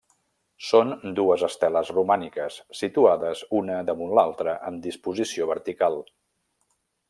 Són dues esteles romàniques, situades una damunt l'altra en disposició vertical.